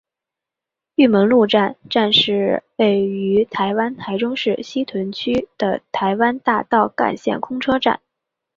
玉门路站站是位于台湾台中市西屯区的台湾大道干线公车站。